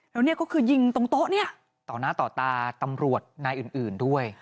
แล้วเนี่ยก็คือยิงตรงโต๊ะเนี่ยต่อหน้าต่อตาตำรวจนายอื่นด้วย